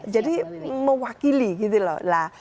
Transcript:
jadi mewakili gitu loh